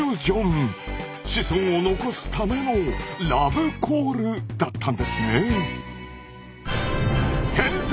子孫を残すためのラブコールだったんですね。